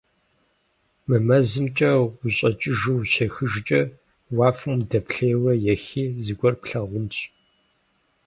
Мы мэзымкӀэ ущӀэкӀыжу ущехыжкӀэ, уафэм удэплъейуэрэ ехи, зыгуэр плъагъунщ.